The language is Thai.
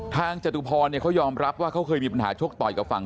จตุพรเขายอมรับว่าเขาเคยมีปัญหาชกต่อยกับฝั่ง